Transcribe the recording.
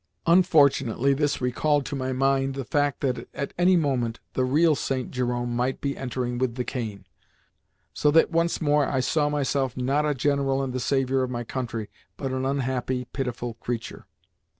Unfortunately this recalled to my mind the fact that at any moment the real St. Jerome might be entering with the cane; so that once more I saw myself, not a general and the saviour of my country, but an unhappy, pitiful creature.